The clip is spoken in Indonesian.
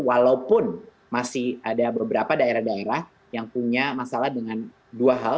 walaupun masih ada beberapa daerah daerah yang punya masalah dengan dua hal